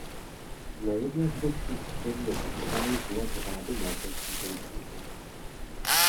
Na jedné z bočních stěn je zachován znak Řádu Maltézských rytířů.